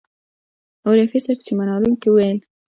رفیع صاحب په سیمینار کې وویل.